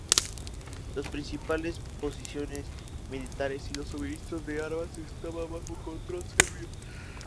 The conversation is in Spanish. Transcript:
Las principales posiciones militares y los suministros de armas estaban bajo control serbio.